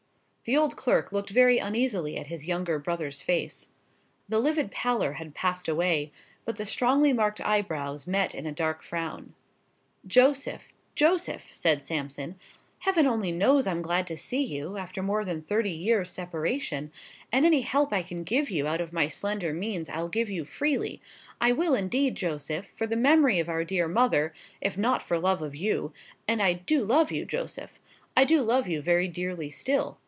The old clerk looked very uneasily at his younger brother's face. The livid pallor had passed away, but the strongly marked eyebrows met in a dark frown. "Joseph—Joseph!" said Sampson, "Heaven only knows I'm glad to see you, after more than thirty years' separation, and any help I can give you out of my slender means I'll give freely—I will, indeed, Joseph, for the memory of our dear mother, if not for love of you; and I do love you, Joseph—I do love you very dearly still.